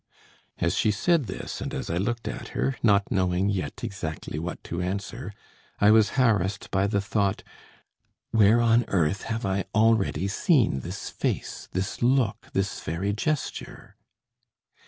"As she said this, and as I looked at her, not knowing yet exactly what to answer, I was harassed by the thought: Where on earth have I already seen this face, this look, this very gesture?